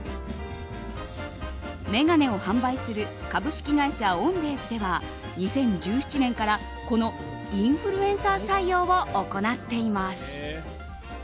眼鏡を販売する株式会社オンデーズでは２０１７年からこのインフルエンサー採用を行っています。